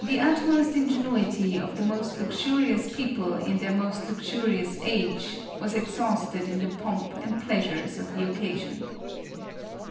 utmost ingenuity of the most luxurious people in their most luxurious age, was exhausted in the pomp and pleasures of the occasion.